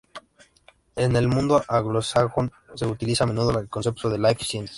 En el mundo anglosajón se utiliza a menudo el concepto de "Life Sciences".